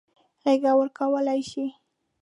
غېږه ورکولای شي.